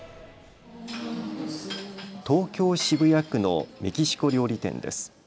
東京渋谷区のメキシコ料理店です。